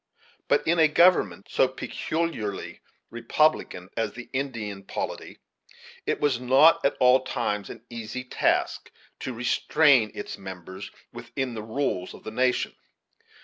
But, in a government so peculiarly republican as the Indian polity, it was not at all times an easy task to restrain its members within the rules of the nation.